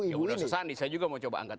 ya udah susah sandi saya juga mau coba angkat